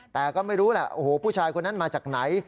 แต่ก็ไม่รู้แหละโอ้โหผู้ชายคนนั้นมาจากไหน